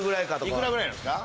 いくらぐらいなんですか？